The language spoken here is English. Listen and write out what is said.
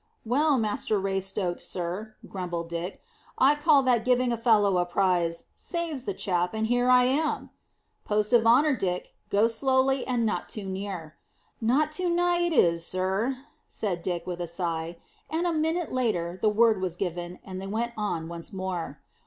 "Well, Master Raystoke, sir," grumbled Dick, "I call that giving a fellow a prize. Saves that chap, and here am I." "Post of honour, Dick. Go slowly, and not too near." "Not too nigh it is, sir," said Dick, with a sigh; and a minute later the word was given, and they went on once more.